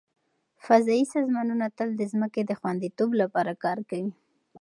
فضایي سازمانونه تل د ځمکې د خوندیتوب لپاره کار کوي.